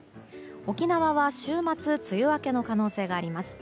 沖縄は週末梅雨明けの可能性があります。